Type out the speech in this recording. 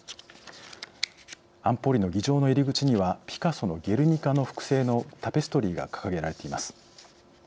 安保理の議場の入り口にはピカソの「ゲルニカ」の複製のタペストリーが掲げられています。